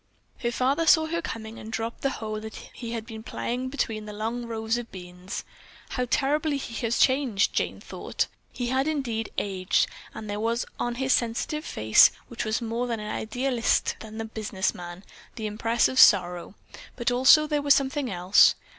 Her father saw her coming and dropped the hoe that he had been plying between the long rows of beans. "How terribly he has changed," Jane thought. He had indeed aged and there was on his sensitive face, which was more that of an idealist than a business man, the impress of sorrow, but also there was something else.